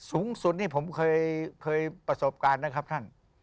สูงสุดนี่ผมเคยประสบการณ์นะครับท่าน